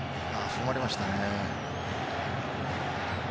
踏まれましたね。